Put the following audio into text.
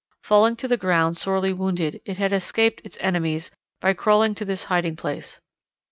Falling to the ground sorely wounded, it had escaped its enemies by crawling to this hiding place.